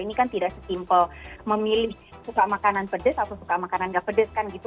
ini kan tidak sesimpel memilih suka makanan pedas atau suka makanan gak pedes kan gitu